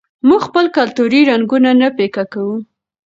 موږ خپل کلتوري رنګونه نه پیکه کوو.